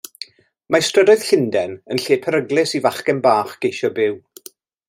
Mae strydoedd Llundain yn lle peryglus i fachgen bach geisio byw.